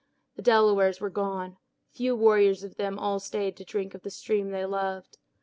The Delawares were gone. Few warriors of them all stayed to drink of the stream they loved.